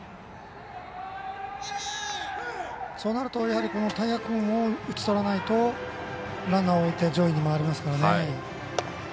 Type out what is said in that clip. そうなると田屋君を打ち取らないとランナーを置いて上位に回りますからね。